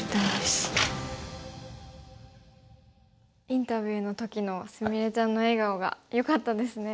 インタビューの時の菫ちゃんの笑顔がよかったですね。